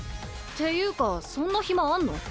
っていうかそんな暇あんの？